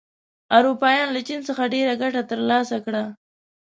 اروپایان له چین څخه ډېره ګټه تر لاسه کړه.